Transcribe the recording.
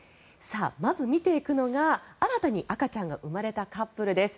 まず見ていくのが新たに赤ちゃんが生まれたカップルです。